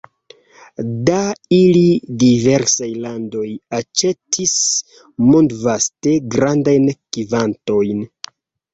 Da ili diversaj landoj aĉetis mondvaste grandajn kvantojn.